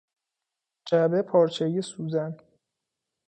جعبه پارچه ای سوزن